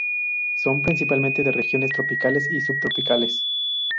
Son principalmente de regiones tropicales y subtropicales.